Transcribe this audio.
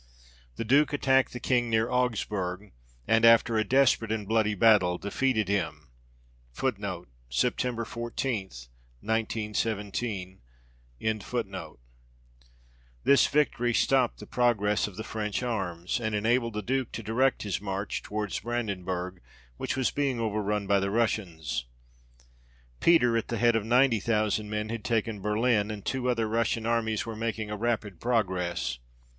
The Duke attacked the King near Augsburg ; and, after a desperate and bloody battle, defeated him. 1 This victory stopped the progress of the French arms, and enabled the Duke to direct his march towards Branden burg, which was being over run by the Russians. Peter, at the head of ninety thousand men, had taken Berlin, and two other Russian armies were making a rapid pro gress.